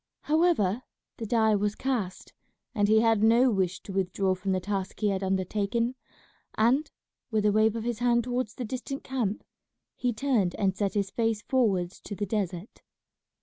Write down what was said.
However the die was cast, and he had no wish to withdraw from the task he had undertaken; and, with a wave of his hand towards the distant camp, he turned and set his face forwards to the desert.